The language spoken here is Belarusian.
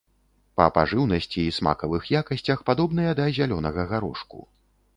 Па пажыўнасці і смакавых якасцях падобныя да зялёнага гарошку.